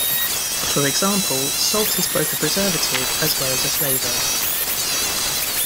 For example, salt is both a preservative as well as a flavor.